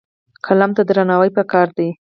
قلم ته درناوی پکار دی.